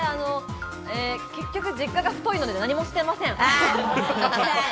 結局、実家が太いので何もしていません。